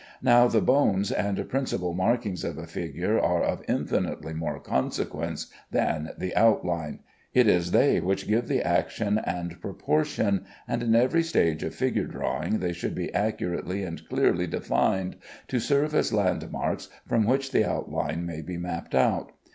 Now the bones and principal markings of a figure are of infinitely more consequence than the outline; it is they which give the action and proportion, and in every stage of figure drawing they should be accurately and clearly defined, to serve as landmarks from which the outline may be mapped out.